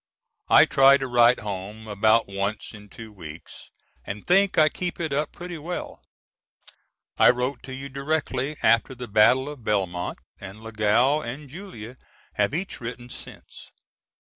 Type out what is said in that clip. I try to write home about once in two weeks and think I keep it up pretty well. I wrote to you directly after the battle of Belmont, and Lagow and Julia have each written since.